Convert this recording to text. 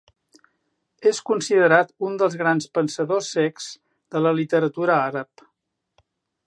És considerat un dels grans pensadors cecs de la literatura àrab.